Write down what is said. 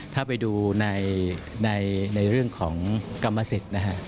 ถ้าไปดูในเรื่องของกรรมสิทธิ์นะฮะ